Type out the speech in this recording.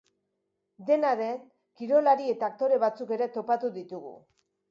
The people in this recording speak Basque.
Dena den, kirolari eta aktore batzuk ere topatu ditugu.